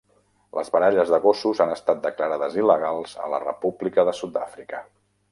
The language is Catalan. Les baralles de gossos han estat declarades il·legals a la República de Sud-àfrica.